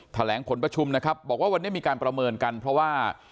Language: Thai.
แถลงผลประชุมนะครับบอกว่าวันนี้มีการประเมินกันเพราะว่า